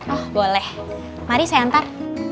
oh boleh mari saya antar